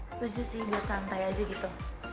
setuju sih biar santai aja gitu